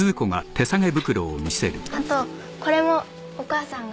あとこれもお母さんが。